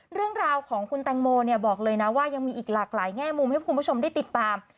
เรื่องราวของคุณแตงโมเนี่ยบอกเลยนะว่ายังมีอีกหลากหลายแง่มุมให้คุณผู้ชมได้ติดตาม